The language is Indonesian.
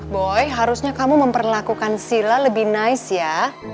boy harusnya kamu memperlakukan sila lebih nice ya